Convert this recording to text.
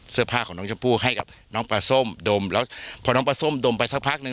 เสื้อผ้าของน้องชมพู่ให้กับน้องปลาส้มดมแล้วพอน้องปลาส้มดมไปสักพักหนึ่ง